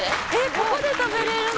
ここで食べれるの？